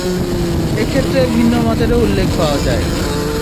এ ক্ষেত্রে ভিন্ন মতেরও উল্লেখ পাওয়া যায়।